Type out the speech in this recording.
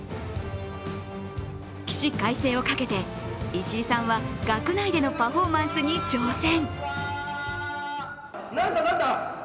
起死回生をかけて、石井さんは学内でのパフォーマンスに挑戦。